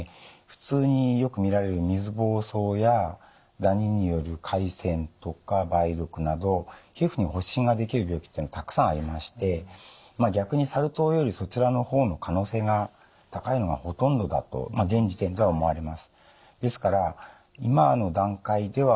普通によく見られる水疱瘡やダニによる疥癬とか梅毒など皮膚に発疹ができる病気というのはたくさんありまして逆にサル痘よりそちらの方の可能性が高いのがほとんどだと現時点では思われます。